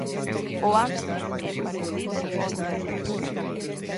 O ante é parecido ao cervo.